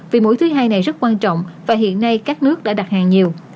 vì mối thứ hai này rất quan trọng và hiện nay các nước đã đặt hàng nhiều